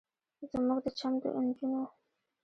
زموږ د چم د نجونو